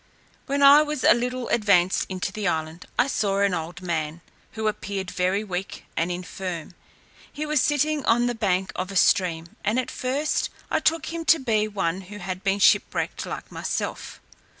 When I was a little advanced into the island, I saw an old man, who appeared very weak and infirm. He was sitting on the bank of a stream, and at first I took him to be one who had been shipwrecked like myself.